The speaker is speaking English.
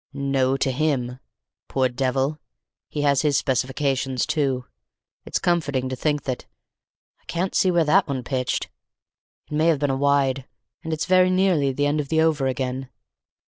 "No, to him. Poor devil, he has his specifications too; it's comforting to think that.... I can't see where that one pitched; it may have been a wide; and it's very nearly the end of the over again.